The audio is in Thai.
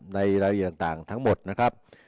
ในรายละเอียดต่างทั้งหมดนะครับ